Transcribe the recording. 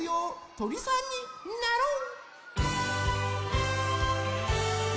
とりさんになろう。